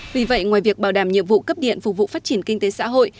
vì vậy ngoài việc bảo đảm nhiệm vụ cấp điện phục vụ phát triển kinh tế xã hội